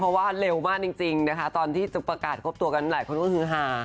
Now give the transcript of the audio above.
เพราะว่าเร็วมากจริงนะคะตอนที่ประกาศคบตัวกันหลายคนก็คือหา